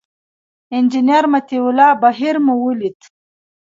انجینر مطیع الله بهیر مو ولید.